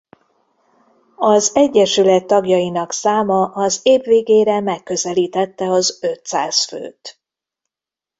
Az egyesület tagjainak száma az év végére megközelítette az ötszáz főt.